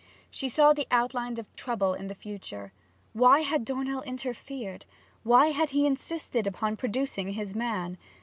She saw the outlines of trouble in the future. Why had Dornell interfered? Why had he insisted upon producing his man?